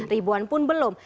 ribuan pun belum